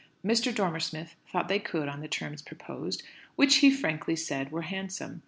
Mr. Dormer Smith thought they could on the terms proposed, which, he frankly said, were handsome.